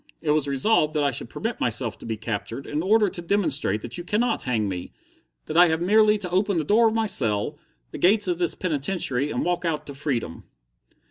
It was resolved that I should permit myself to be captured, in order to demonstrate that you cannot hang me, that I have merely to open the door of my cell, the gates of this penitentiary, and walk out to freedom."